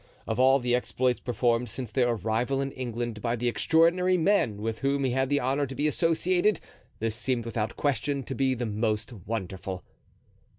Of all the exploits performed since their arrival in England by the extraordinary men with whom he had the honor to be associated, this seemed without question to be the most wonderful.